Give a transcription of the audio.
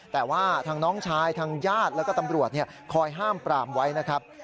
แต่ว่าทางน้องชายทางญาติแล้วก็ตำรวจคอยห้ามปรามไว้นะครับ